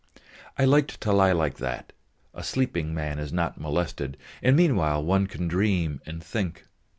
I liked to lie like that; a sleeping man is not molested, and meanwhile one can dream and think.